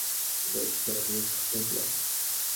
চৌষট্টি হাজারের শখ মিটল?